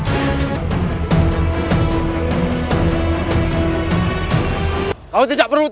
saya akan menjaga kebenaran raden